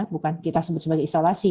bukan kita sebut sebagai isolasi